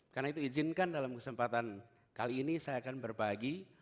karena itu izinkan dalam kesempatan kali ini saya akan berbagi